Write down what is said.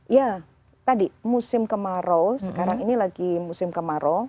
ya tadi musim kemarau sekarang ini lagi musim kemarau